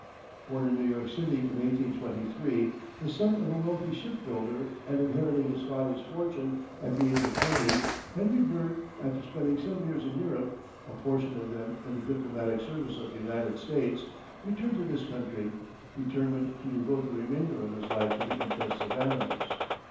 Born in New York City in 1823, the son of a wealthy ship builder and inheriting his father's fortune at the age of twenty, Henry Bergh, after spending some years in Europe, a portion of them in the diplomatic service of the United States, returned to this country, determined to devote the remainder of his life to the interests of animals.